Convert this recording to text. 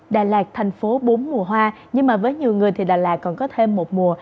đà lạt thành phố bốn mùa hoa nhưng với nhiều người thì đà lạt còn có thêm một mùa